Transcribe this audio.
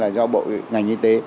là do bộ ngành y tế